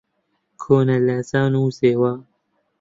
کۆنە لاجان و زێوە